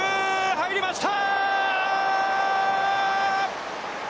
入りました！